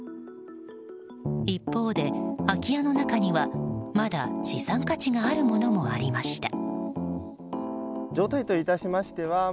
一方で、空き家の中にはまだ資産価値があるものもありました。